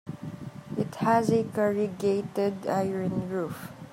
It has a corrugated iron roof.